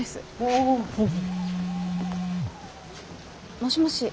もしもし。